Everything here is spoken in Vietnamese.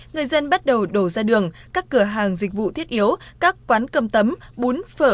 người dân bắt đầu đổ ra đường các cửa hàng dịch vụ thiết yếu các quán cơm tấm bún phở